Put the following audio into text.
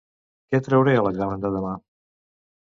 Què trauré a l'examen de demà?